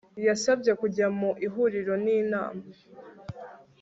yasabye kujya mu ihuriro n inama